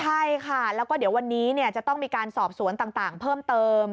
ใช่ค่ะแล้วก็เดี๋ยววันนี้จะต้องมีการสอบสวนต่างเพิ่มเติม